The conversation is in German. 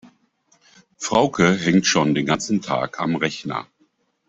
Frauke hängt schon den ganzen Tag am Rechner.